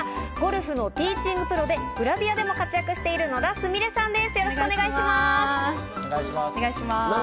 ゴルフのティーチングプロでグラビアでも活躍している、野田すみれさんです。